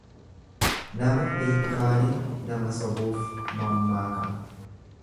Nama ilkaanin nama sobuuf mammaakama.